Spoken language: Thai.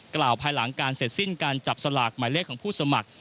กล่าวภายหลังการเสร็จสิ้นการจับสลากหมายเลขของผู้สมัคร